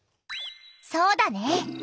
そうだね。